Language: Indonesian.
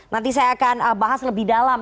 nanti saya akan bahas lebih dalam